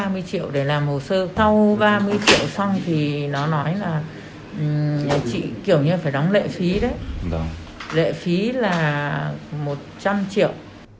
ba mươi triệu để làm hồ sơ sau ba mươi triệu xong thì nó nói là nhà chị kiểu như phải đóng lệ phí đấy lệ phí là một trăm linh triệu